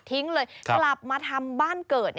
เลยกลับมาทำบ้านเกิด